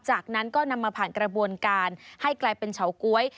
จากนั้นก็นำมาผ่านกระบวนการให้กลายเป็นเฉาก๊วย